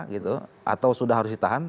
gitu atau sudah harus ditahan